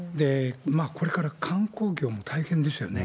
これから観光業も大変ですよね。